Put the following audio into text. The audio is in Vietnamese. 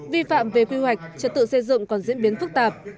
vi phạm về quy hoạch trật tự xây dựng còn diễn biến phức tạp